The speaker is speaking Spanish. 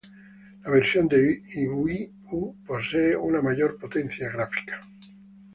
La versión de Wii U posee una mayor potencia gráfica.